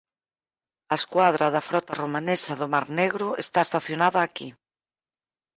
A escuadra da frota romanesa do mar Negro está estacionada aquí.